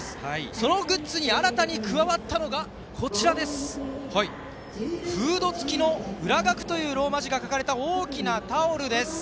そのグッズに新たに加わったのがフード付きのＵＲＡＧＡＫＵというローマ字が書かれた大きなタオルです。